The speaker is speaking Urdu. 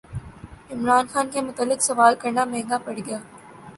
عمران خان کے متعلق سوال کرنا مہنگا پڑگیا